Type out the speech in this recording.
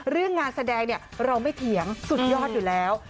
เรื่องงานแสดงเนี่ยเราไม่เถียงสุดยอดอยู่แล้ว